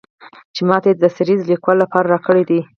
چې ماته یې د سریزې لیکلو لپاره راکړی دی.